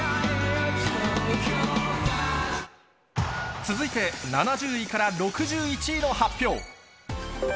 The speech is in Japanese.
続いて７０位から６１位の発表。